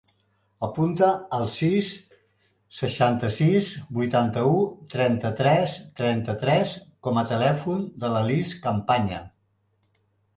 Apunta el sis, seixanta-sis, vuitanta-u, trenta-tres, trenta-tres com a telèfon de la Lis Campaña.